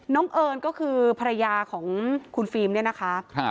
เอิญก็คือภรรยาของคุณฟิล์มเนี่ยนะคะ